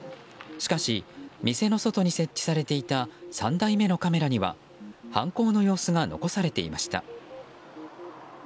しかし、店の外に設置されていた３台目のカメラには犯行の様子が残されていました。